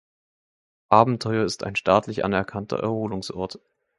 Abentheuer ist ein staatlich anerkannter Erholungsort.